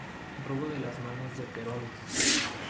Robo de las manos de Perón